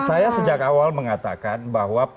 saya sejak awal mengatakan bahwa